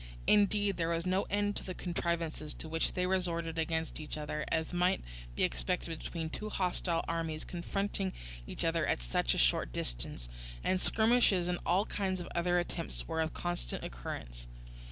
Indeed there was no end to the contrivances to which they resorted against each other, as might be expected between two hostile armies confronting each other at such a short distance: and skirmishes and all kinds of other attempts were of constant occurrence.